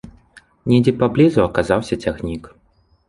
Недзе паблізу аказаўся цягнік.